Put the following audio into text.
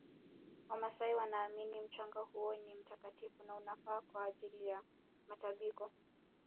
wamasai wanaamini mchanga huo ni mtakatifu na unafaa kwa ajili ya matabiko